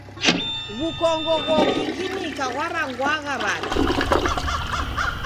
W'ukongo ghogiginika ghwaw'angwagha w'ada?